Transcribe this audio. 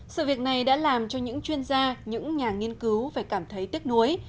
sự việc này đã làm cho những chuyên gia những nhà nghiên cứu phải cảm thấy tiếc nuối